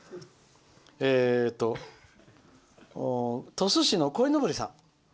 鳥栖市の、こいのぼりさん。